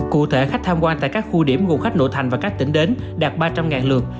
cụ thể khách tham quan tại các khu điểm gồm khách nội thành và các tỉnh đến đạt ba trăm linh lượt